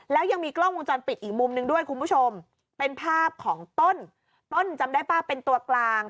แล้วยังมีกล้องวงจรปิดอีกมุมนึงด้วยคุณผู้ชมเป็นภาพของต้นต้นจำได้ป่ะเป็นตัวกลาง